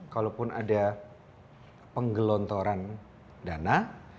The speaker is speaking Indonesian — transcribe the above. kalaupun ada penggelontoran dana